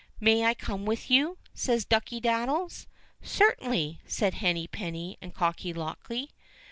"May I come with you?" says Ducky daddies. "Certainly," said Henny penny and Cocky locky.